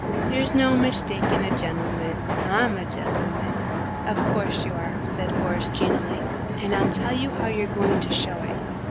"There's no mishtaking a gen'l'man. I'm a gen'l'man." "Of course you are," said Horace genially, "and I'll tell you how you're going to show it.